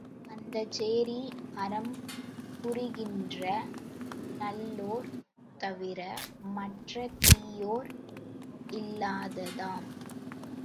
அந்தச் சேரி, அறம் புரிகின்ற நல்லோர் தவிர, மற்ற தீயோர் இல்லாததாம்.